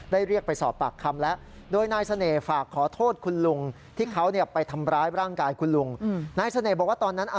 ได้เรียกไปสอบปากคำแล้ว